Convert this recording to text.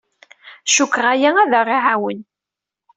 Cukkteɣ aya ad aɣ-iɛawen.